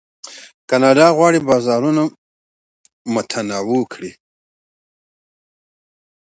کاناډا غواړي بازارونه متنوع کړي.